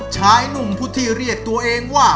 ชายหนุ่มผู้ที่เรียกตัวเองว่า